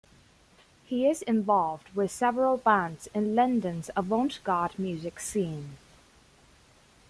He is involved with several bands in London's avant-garde music scene.